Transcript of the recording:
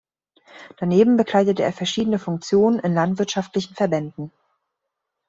Daneben bekleidete er verschiedene Funktionen in landwirtschaftlichen Verbänden.